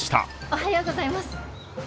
おはようございます。